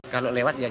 kalau lewat yang apa